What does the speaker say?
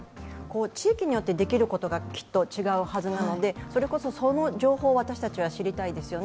地域によってできることがきっと違うはずなのでそれこそその情報を私たちは知りたいですよね。